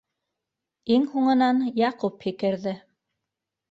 Иң һуңынан Яҡуп һикерҙе.